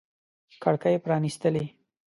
کړکۍ پرانیستلي